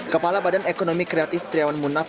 kepala badan ekonomi kreatif triawan munaf